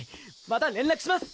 また連絡します